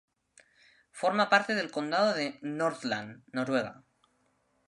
Forma parte del condado de Nordland, Noruega.